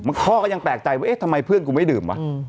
พ่อก็ยังแปลกใจว่าเอ๊ะทำไมเพื่อนกูไม่ดื่มวะ